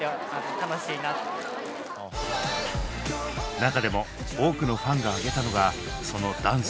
中でも多くのファンが挙げたのがそのダンス。